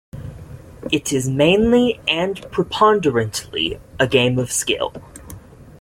It is mainly and preponderantly a game of skill.